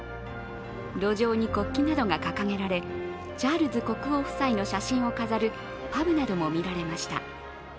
路上に国旗などが掲げられチャールズ国王夫妻の写真を飾るパブなども見られました。